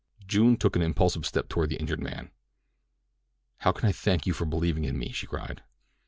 June took an impulsive step toward the injured man. "How can I thank you for believing in me?" she cried.